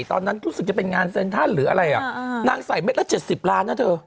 ตอนนั้นรู้สึกจะเป็นงานเซ็นทรัลหรืออะไรอ่ะนางใส่เม็ดละ๗๐ล้านนะเธอ